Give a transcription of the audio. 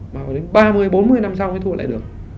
mà đến ba mươi bốn mươi năm sau mới thu lại được